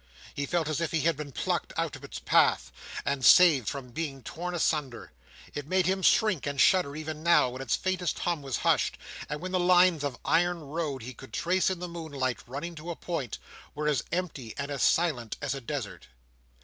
He felt as if he had been plucked out of its path, and saved from being torn asunder. It made him shrink and shudder even now, when its faintest hum was hushed, and when the lines of iron road he could trace in the moonlight, running to a point, were as empty and as silent as a desert.